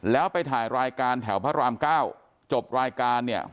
แล้วไปถ่ายรายการแถวพระรามเก้าจบรายการเนี่ย